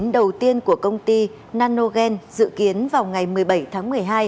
đầu tiên của công ty nanogen dự kiến vào ngày một mươi bảy tháng một mươi hai